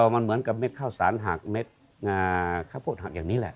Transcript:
มันเหมือนกับเม็ดข้าวสารหักเม็ดข้าวโพดหักอย่างนี้แหละ